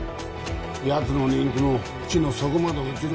奴の人気も地の底まで落ちる。